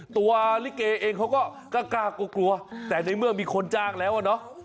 ตัวลิเกเองเขาก็กล้ากลัวกลัวแต่ในเมื่อมีคนจ้างแล้วอะเนาะ